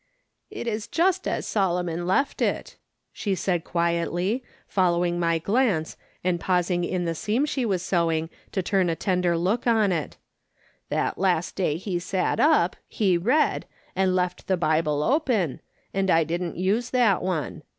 "It is just as Solomon left it," she said quietly, following my glance, and pausing in the seam she was sewing to turn a tender look on it ;" that last day he sat up, he read, and left the Bible open, and I didn't use that one.